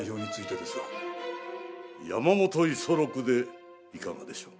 山本五十六でいかがでしょう？